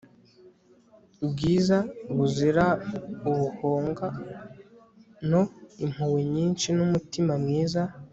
bwiza buzira ubuhonganoimpuhwe nyinshi n'umutima mwiza